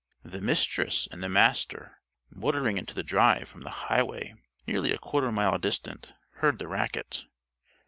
The Mistress and the Master, motoring into the drive from the highway nearly a quarter mile distant, heard the racket.